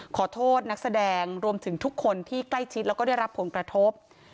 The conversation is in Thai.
ขอโทษนักแสดงรวมถึงทุกคนที่ใกล้ชิดแล้วก็ได้รับผลกระทบ